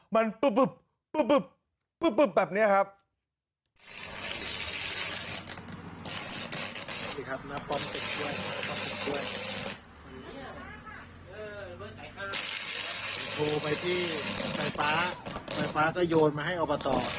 มันปึ๊บแบบนี้ครับ